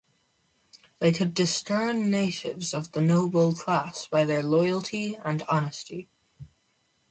They could discern natives of the noble class by their loyalty and honesty.